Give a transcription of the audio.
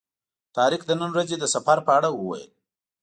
طارق د نن ورځې د سفر په اړه وویل.